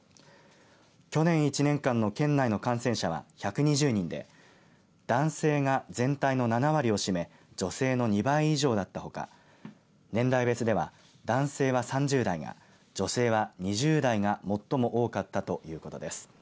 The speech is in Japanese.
去年１年間の県内の感染者は１２０人で男性が全体の７割を占め女性の２倍以上だったほか年代別では男性は３０代が女性は２０代が最も多かったということです。